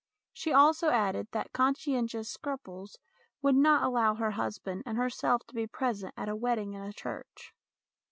She also added that con scientious scruples would not allow her husband and herself to be present at a wedding in a church.